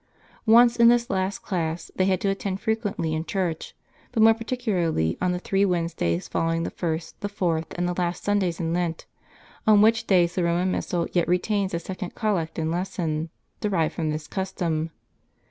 Once in this last class, they had to attend frequently in church, but more particularly on the three Wednesdays follow ing the first, the fourth, and the last Sundays in Lent, on which days the Roman Missal yet retains a second collect and lesson, derived from this custom.